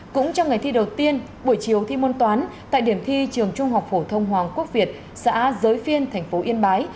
cũng trong ngày thi đầu tiên buổi chiều thi môn toán tại điểm thi trường trung học phổ thông hoàng quốc việt xã giới phiên thành phố yên bái